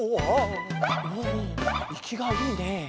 おおあいきがいいね。